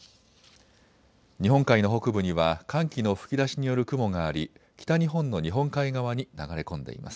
日本海の北部には寒気の吹き出しによる雲があり北日本の日本海側に流れ込んでいます。